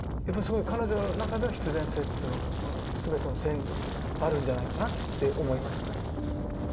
やっぱりすごい彼女の中では必然性っつうのが全ての線にあるんじゃないかなって思いました。